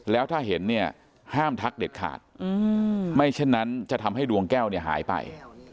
แล้วถ้าเห็นเนี่ยห้ามทักเด็ดขาดไม่เช่นนั้นจะทำให้ดวงแก้วเนี่ยหายไป